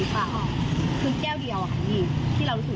ถ้าถูกว่าไม่มีการอยู่ตรงนั้น